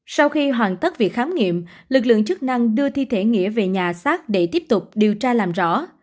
sau khi hoàn tất việc khám nghiệm lực lượng chức năng đưa thi thể nghĩa về nhà xác để tiếp tục điều tra làm rõ